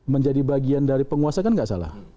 menjadi bagian dari penguasa kan nggak salah